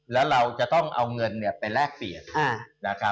และเอาเงินไปแลกเปลี่ยน